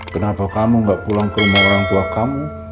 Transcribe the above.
kenapa kamu gak pulang ke rumah orang tua kamu